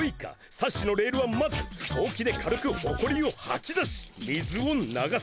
サッシのレールはまずほうきで軽くほこりをはきだし水を流す。